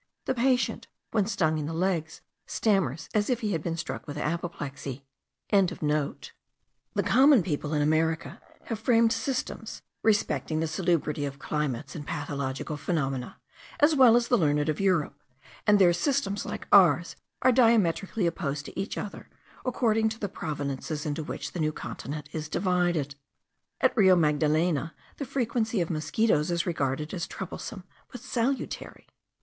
The patient, when stung in the legs, stammers as if he had been struck with apoplexy.) The common people in America have framed systems respecting the salubrity of climates and pathological phenomena, as well as the learned of Europe; and their systems, like ours, are diametrically opposed to each other, according to the provinces into which the New Continent is divided. At the Rio Magdalena the frequency of mosquitos is regarded as troublesome, but salutary.